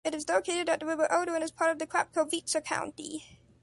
It is located at the river Oder and is part of the Krapkowice County.